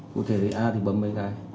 cụ thể thì a thì bấm mấy cái